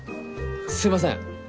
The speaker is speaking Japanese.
すいません。